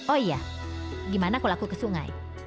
oh iya gimana kalau aku ke sungai